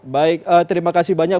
baik terima kasih banyak